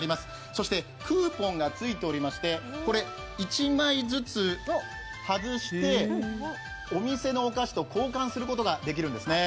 そして、クーポンが付いておりまして、１枚ずつ外してお店のお菓子と交換することができるんですね。